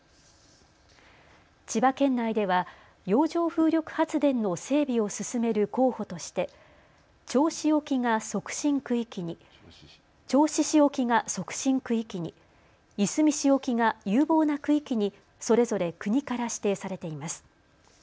千葉県内では洋上風力発電の整備を進める候補として銚子市沖が促進区域に、いすみ市沖が有望な区域にそれぞれ国から指定されています。